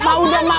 mak udah mak